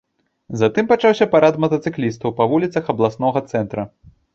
Затым пачаўся парад матацыклістаў па вуліцах абласнога цэнтра.